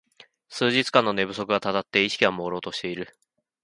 数日間の寝不足がたたって意識がもうろうとしている